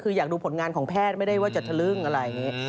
คืออยากดูผลงานของแพทย์ไม่ได้ว่าจะทะลึ่งอะไรอย่างนี้